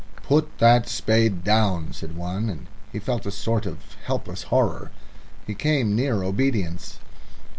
"Put that spade down," said one, and he felt a sort of helpless horror. He came near obedience.